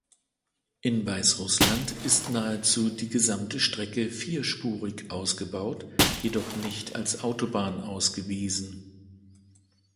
In Weißrussland ist nahezu die gesamte Strecke vierspurig ausgebaut, jedoch nicht als Autobahn ausgewiesen.